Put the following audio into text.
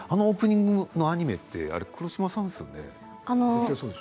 オープニングのアニメって黒島さんですよね。